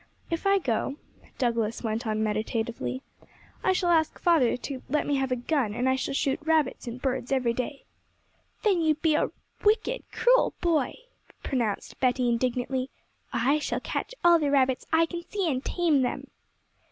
'If I go,' Douglas went on meditatively, 'I shall ask father to let me have a gun, and I shall shoot rabbits and birds every day.' 'Then you'd be a wicked, cruel boy!' pronounced Betty indignantly. 'I shall catch all the rabbits I can see and tame them.'